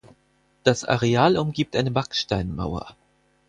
Das Areal umgibt eine Backsteinmauer.